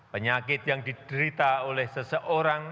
penyakit yang diderita oleh seseorang